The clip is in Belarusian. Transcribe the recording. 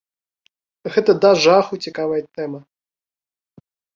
Гэта да жаху цікавая тэма.